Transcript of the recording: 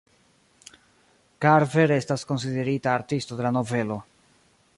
Karver estas konsiderita artisto de la novelo.